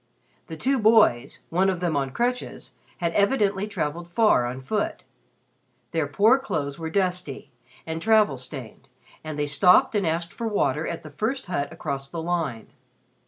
The two boys one of them on crutches had evidently traveled far on foot. Their poor clothes were dusty and travel stained, and they stopped and asked for water at the first hut across the line.